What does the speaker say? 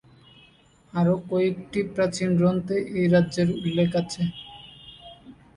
আরও কয়েকটি প্রাচীন গ্রন্থে এই রাজ্যের উল্লেখ রয়েছে।